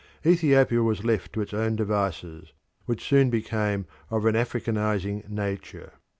Ethiopia was left to its own devices, which soon became of an Africanising nature.